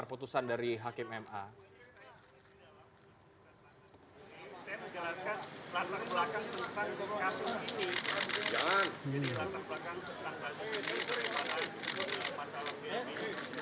saya menjelaskan latar belakang tentang kasus ini